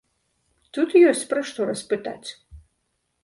Тут ёсць пра што распытаць.